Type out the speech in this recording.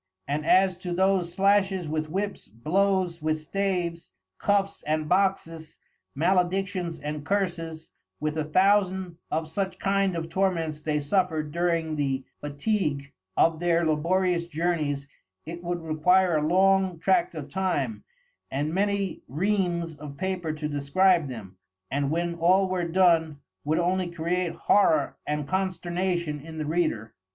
And as to those slashes with whips, blows with staves, cuffs and boxes, maledictions and curses, with a Thousand of such kind of Torments they suffered during the fatigue of their laborious journeys it would require a long tract of time, and many Reams of Paper to describe them, and when all were done would only create Horror and Consternation in the Reader.